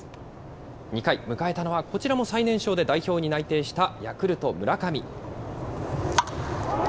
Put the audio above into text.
２回、迎えたのはこちらも最年少で、代表に内定したヤクルトの村上。